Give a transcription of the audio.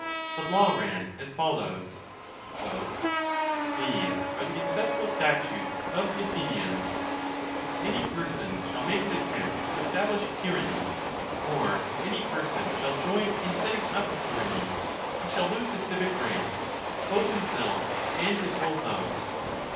The law ran as follows :" These are the ancestral statutes of the Athenians ; if any persons shall make an attempt to establish a tyranny, or if any person shall join in setting up a tyranny, he shall lose his civic rights, both himself and his whole house."